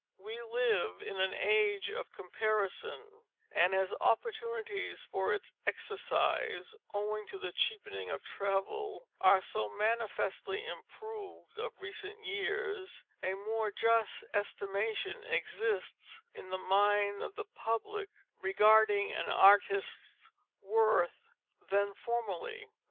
We live in an age of comparison, and as opportunities for its exercise, owing to the cheapening of travel, are so manifestly improved of recent years, a more just estimation exists in the mind of the public regarding an artist's worth than formerly.